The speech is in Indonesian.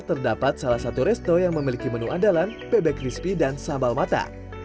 terdapat salah satu resto yang memiliki menu andalan bebek crispy dan sambal mata